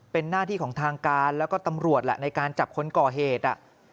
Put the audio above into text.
เป็นหน้าที่ของทางการแล้วก็ตำรวจแหละในการจับคนก่อเหตุ